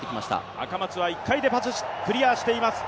赤松は１回でクリアしています。